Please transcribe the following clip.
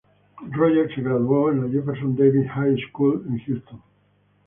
Rogers se graduó en la "Jefferson Davis High School" en Houston.